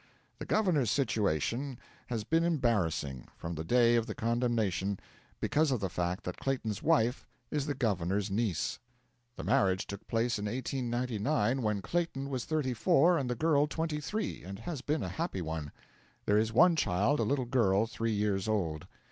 The governor's situation has been embarrassing, from the day of the condemnation, because of the fact that Clayton's wife is the governor's niece. The marriage took place in 1899, when Clayton was thirty four and the girl twenty three, and has been a happy one. There is one child, a little girl three years old.